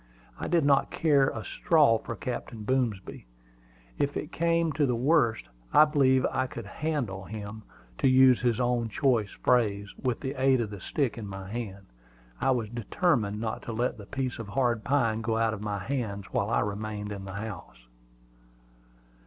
I did not care a straw for Captain Boomsby. If it came to the worst, I believed I could "handle" him, to use his own choice phrase, with the aid of the stick in my hand. I was determined not to let the piece of hard pine go out of my hands while I remained in the house.